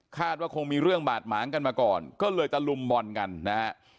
ว่าคงมีเรื่องบาดหมางกันมาก่อนก็เลยตะลุมบอลกันนะฮะ